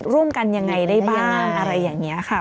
ร่วมกันยังไงได้บ้างอะไรอย่างนี้ค่ะ